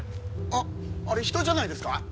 あっあれ人じゃないですか？